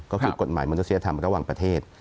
ก็คือกฎหมายมนุษยธรรมระหว่างประเทศ